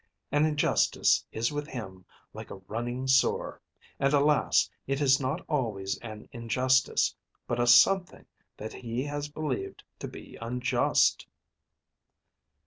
An injustice is with him like a running sore; and, alas, it is not always an injustice, but a something that he has believed to be unjust."